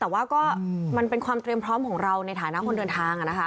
แต่ว่าก็มันเป็นความเตรียมพร้อมของเราในฐานะคนเดินทางนะคะ